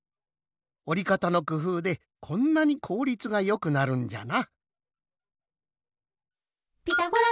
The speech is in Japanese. おりかたのくふうでこんなにこうりつがよくなるんじゃな。